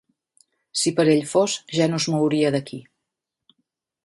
Si per ell fos, ja no es mouria d'aquí.